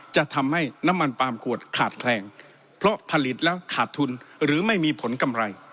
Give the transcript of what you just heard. จะทำให้น้ำมันปามขวดขาดแคลงเพราะผลิตแล้วขาดทุนหรือไม่มีผลกำไร